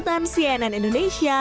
tim sienan indonesia